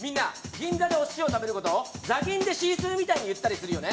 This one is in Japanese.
銀座でお寿司を食べることをザギンでシースーみたいに言ったりするよね